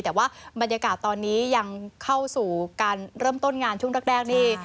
แต่ว่าบรรยากาศตอนนี้ยังเข้าสู่การเริ่มต้นงานช่วงแรกนี่